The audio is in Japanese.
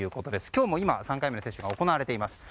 今日も３回目の接種が行われています。